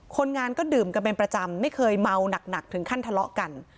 คนงานก็ดื่มกันเป็นประจำไม่เคยเมาหนักถึงขั้นทะเลาะกัน